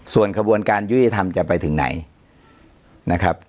ส่วนกระบวนการยุติธรรมจะไปถึงไหนนะครับ